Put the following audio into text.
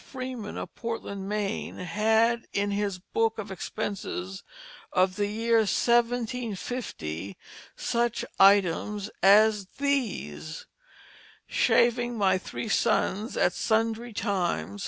Freeman of Portland, Maine, had in his book of expenses of the year 1750, such items as these: "Shaving my three sons at sundry times.